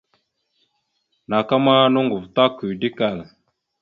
Naaka ma nòŋgov ta nʉʉde kal.